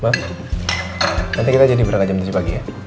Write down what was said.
maaf nanti kita jadi berangkat jam tujuh pagi ya